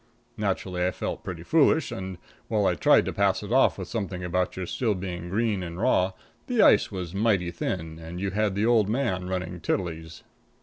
Naturally, I felt pretty foolish, and, while I tried to pass it off with something about your still being green and raw, the ice was mighty thin, and you had the old man running tiddledies.